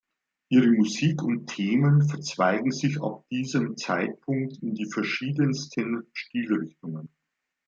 Ihre Musik und Themen verzweigen sich ab diesem Zeitpunkt in die verschiedensten Stilrichtungen.